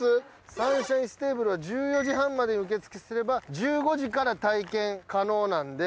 サンシャインステーブルは１４時半までに受付すれば１５時から体験可能なんで。